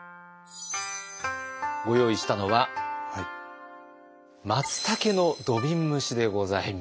ご用意したのはまつたけの土瓶蒸しでございます。